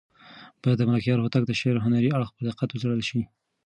باید د ملکیار هوتک د شعر هنري اړخ په دقت وڅېړل شي.